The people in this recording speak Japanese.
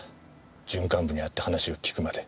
準幹部に会って話を聞くまで。